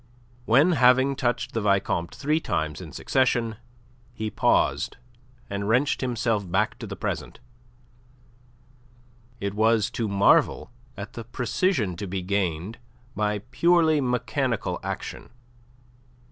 When having touched the Vicomte three times in succession, he paused and wrenched himself back to the present, it was to marvel at the precision to be gained by purely mechanical action.